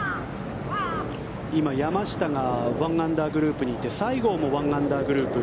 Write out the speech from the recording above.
今、山下が１アンダーグループにいて西郷も１アンダーグループ。